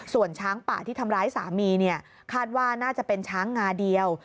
ส่วนช้างป่าที่ทำร้ายสามีเนี่ยคาดว่าน่าจะเป็นช้างงาเดียว